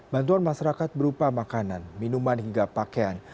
bantuan masyarakat berupa makanan minuman hingga pakaian